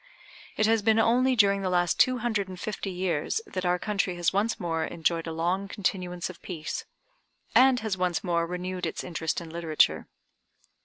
It has been only during the last two hundred and fifty years that our country has once more enjoyed a long continuance of peace, and has once more renewed its interest in literature.